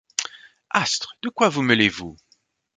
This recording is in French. Astres, de quoi vous mêlez-vous ?